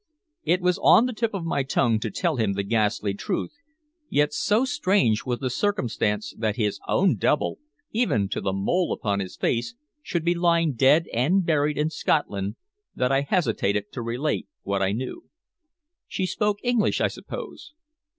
It was on the tip of my tongue to tell him the ghastly truth, yet so strange was the circumstance that his own double, even to the mole upon his face, should be lying dead and buried in Scotland that I hesitated to relate what I knew. "She spoke English, I suppose?"